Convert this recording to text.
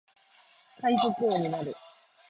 海賊王になる